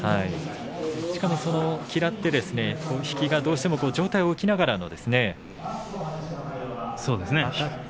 しかも嫌って引きはどうしても上体が起きながらですね。